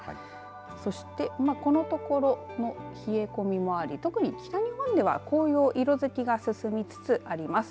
そしてこのところの冷え込みもあり特に北日本では紅葉色づきが進みつつあります。